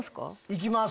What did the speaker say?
行きます。